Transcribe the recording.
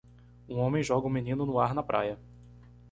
Um homem joga um menino no ar na praia.